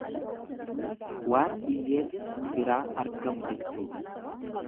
Waan hiyyeessa biraa argamu jechuudha.